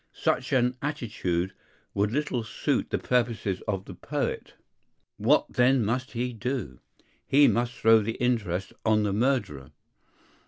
Such an attitude would little suit the purposes of the poet. What then must he do? He must throw the interest on the murderer.